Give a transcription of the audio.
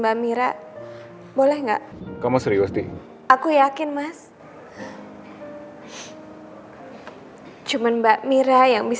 gilang gak mau liat mama sedih terus